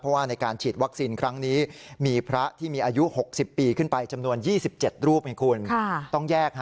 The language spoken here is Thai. เพราะว่าในการฉีดวัคซีนครั้งนี้มีพระที่มีอายุ๖๐ปีขึ้นไปจำนวน๒๗รูปให้คุณต้องแยก